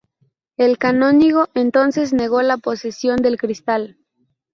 El canónigo entonces negó la posesión del cristal.